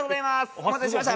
お待たせしました。